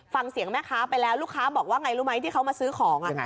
ฟังเสียงแม่ค้าไปแล้วลูกค้าบอกว่าไงรู้ไหมที่เขามาซื้อของ